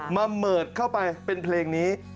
มาเปิดเข้าไปเป็นเพลงนี้